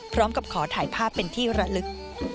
พร้อมกับขอถ่ายภาพเป็นที่ระลึก